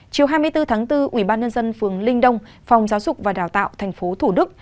chiều hai mươi bốn tháng bốn ubnd phường linh đông phòng giáo dục và đào tạo tp thủ đức